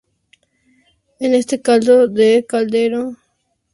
En este caldo de caldero, así obtenido, se hierve el arroz.